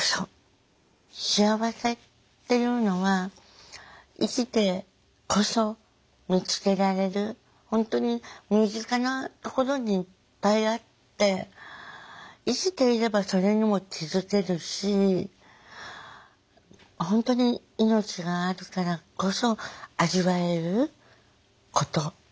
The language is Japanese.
幸せっていうのは生きてこそ見つけられる本当に身近なところにいっぱいあって生きていればそれにも気付けるし本当に命があるからこそ味わえること。